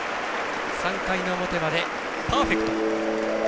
３回の表までパーフェクト。